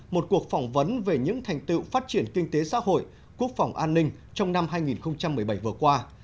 một cuộc phỏng vấn về những thành tựu phát triển kinh tế xã hội quốc phòng an ninh trong năm hai nghìn một mươi bảy vừa qua